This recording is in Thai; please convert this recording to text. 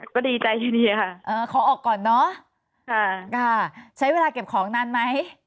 ก็ดีใจที่ดีค่ะเออขอออกก่อนเนอะค่ะใช้เวลาเก็บของนานไหม